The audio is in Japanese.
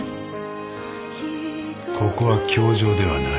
ここは教場ではない。